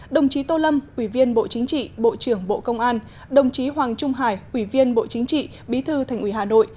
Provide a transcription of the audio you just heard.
đồng chí tô lâm ủy viên bộ chính trị bộ trưởng bộ công an đồng chí hoàng trung hải ủy viên bộ chính trị bí thư thành ủy hà nội